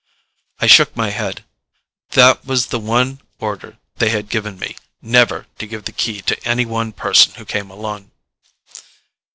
I shook my head. That was the one order they had given me never to give the Key to any one person who came alone.